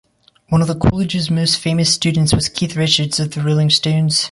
One of the college's most famous students was Keith Richards of The Rolling Stones.